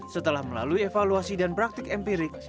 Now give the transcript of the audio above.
setelah melalui evaluasi dan praktik empirik